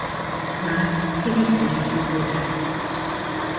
Mas ¿qué dice la Escritura?